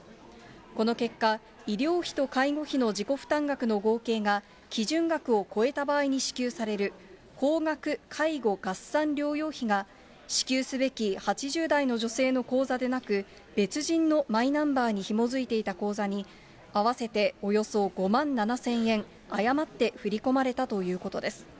この結果、医療費と介護費の自己負担額の合計が基準額を超えた場合に支給される高額介護合算療養費が、支給すべき８０代の女性の口座でなく、別人のマイナンバーにひも付いていた口座に、合わせておよそ５万７０００円、誤って振り込まれたということです。